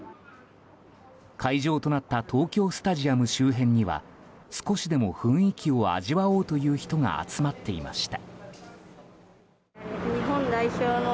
会場となった東京スタジアム周辺には少しでも雰囲気を味わおうという人が集まっていました。